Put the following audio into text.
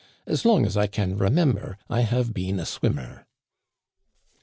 As long as I can remember I have been a swimmer."